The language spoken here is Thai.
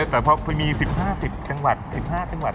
แต่พอมี๑๐๕๐จังหวัด๑๕จังหวัด